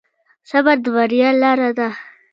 صبر د بریا لاره ده.